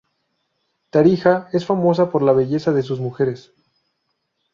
Tarija es famosa por la belleza de sus mujeres.